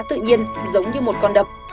tự nhiên giống như một con đập